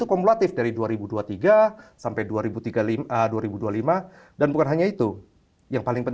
tujuan presidensi g dua puluh indonesia adalah adanya hasil nyata bagi semua pihak